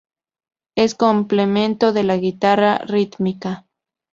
Es complemento de la guitarra rítmica.